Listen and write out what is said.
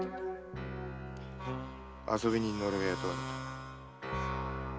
遊び人の俺が雇われた。